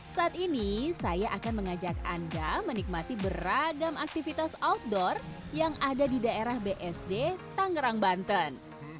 saat ini saya akan mengajak anda menikmati beragam aktivitas outdoor yang ada di daerah bsd tangerang banten